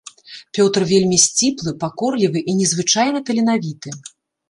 Пётр вельмі сціплы, пакорлівы і незвычайна таленавіты.